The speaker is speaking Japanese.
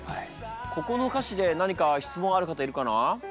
ここの歌詞で何か質問ある方いるかな？